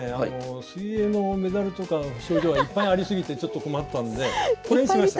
水泳のメダルとか賞状はいっぱいありすぎてちょっと困ったんでこれにしました。